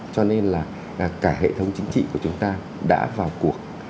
cho nên là cả hệ thống chính trị của chúng ta đã vào cuộc